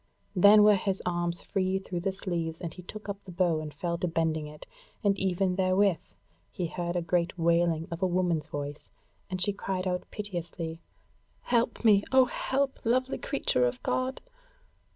Then were his arms free through the sleeves, and he took up the bow and fell to bending it, and even therewith he heard a great wailing of a woman's voice, and she cried out, piteously: "Help me, O help, lovely creature of God!"